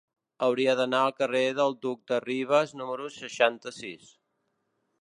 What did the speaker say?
Hauria d'anar al carrer del Duc de Rivas número seixanta-sis.